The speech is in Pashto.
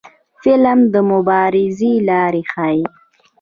فلم د مبارزې لارې ښيي